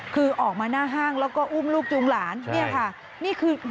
คือออกมาหน้าห้างแล้วก็อุ้มลูกจูงหลาน